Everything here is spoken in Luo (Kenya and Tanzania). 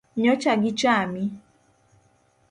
Nyocha gichami?